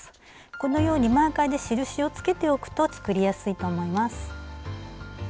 このようにマーカーで印をつけておくと作りやすいと思います。